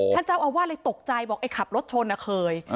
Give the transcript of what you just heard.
ท่านเจ้าอาวาสเลยตกใจบอกไอ้ขับรถชนเคย